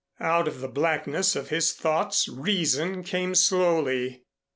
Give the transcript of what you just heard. Out of the blackness of his thoughts reason came slowly.